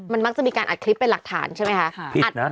มันมักจะมีการอัดคลิปเป็นหลักฐานใช่ไหมคะ